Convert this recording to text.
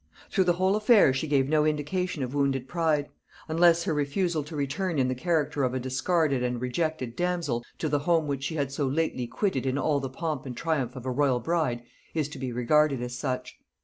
Through the whole affair she gave no indication of wounded pride; unless her refusal to return in the character of a discarded and rejected damsel, to the home which she had so lately quitted in all the pomp and triumph of a royal bride, is to be regarded as such.